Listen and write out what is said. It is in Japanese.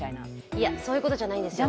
いや、そういうことじゃないんですよ